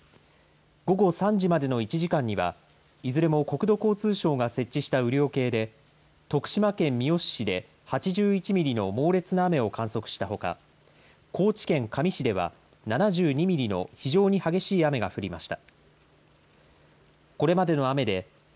午後３時までの１時間にはいずれも国土交通省が設置した雨量計で徳島県三好市で８１ミリの猛烈な雨を観測したほか高知県香美市では７２ミリの非常に激しい雨が降りました。